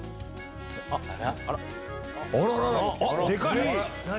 あら？